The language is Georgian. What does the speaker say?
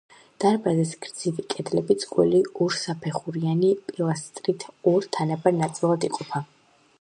დარბაზის გრძივი კედლები წყვილი ორსაფეხურიანი პილასტრით ორ თანაბარ ნაწილად იყოფა.